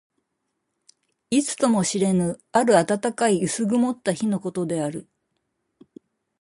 いつとも知れぬ、ある暖かい薄曇った日のことである。